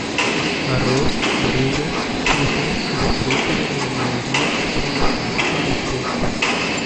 Arroz, verduras, frutas y los productos de la ganadería son los principales productos.